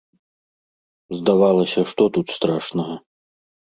Здавалася, што тут страшнага?